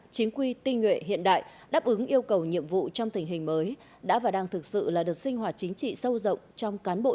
chính quy tinh nguyện hiện đại đáp ứng yêu cầu nhiệm vụ trong tình hình mới đã và đang thực sự là đợt sinh hoạt chính trị sâu rộng trong cán bộ